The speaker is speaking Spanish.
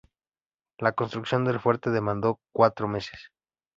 La construcción del fuerte demandó cuatro meses.